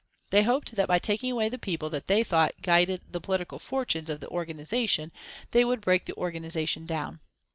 "They hoped that by taking away the people that they thought guided the political fortunes of the organisation they would break the organisation down.